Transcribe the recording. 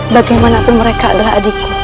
bagaimanapun mereka adalah adikku